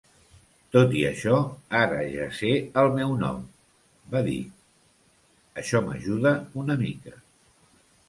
"Tot i això, ara ja sé el meu nom", va dir, "això m'ajuda una mica".